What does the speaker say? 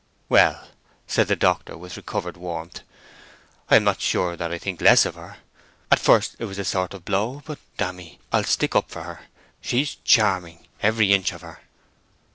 "Well," said the doctor, with recovered warmth, "I am not so sure that I think less of her. At first it was a sort of blow; but, dammy! I'll stick up for her. She's charming, every inch of her!"